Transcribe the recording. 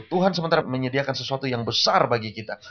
tuhan sementara menyediakan sesuatu yang besar bagi kita